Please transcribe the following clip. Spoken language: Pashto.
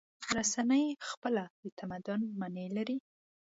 رسنۍ خپله د تمدن معنی لري.